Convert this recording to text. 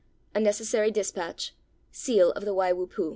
A necessary dispatch. Seal of the Wai Wu Pu.